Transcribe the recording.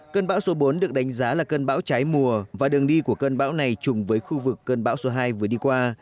cơn bão số bốn được đánh giá là cơn bão cháy mùa và đường đi của cơn bão này chùng với khu vực cơn bão số hai vừa đi qua